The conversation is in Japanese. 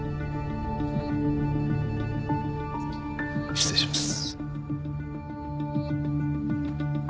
失礼します。